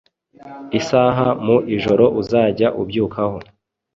isaha mu ijoro uzajya ubyukaho,